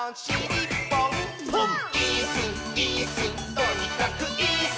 とにかくイス！」